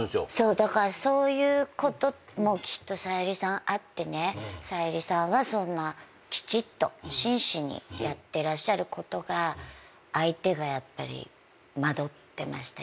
だからそういうこともきっと小百合さんあってね小百合さんはそんなきちっと真摯にやってらっしゃることが相手がやっぱり惑ってましたよ。